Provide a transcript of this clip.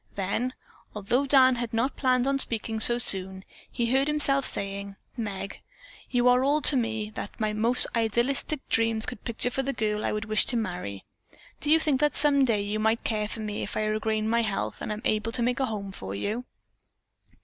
Then, although Dan had not planned on speaking so soon, he heard himself saying: "Meg, you are all to me that my most idealistic dreams could picture for the girl I would wish to marry. Do you think that some day you might care for me if I regain my health and am able to make a home for you?"